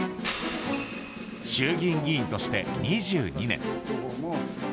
衆議院議員として２２年。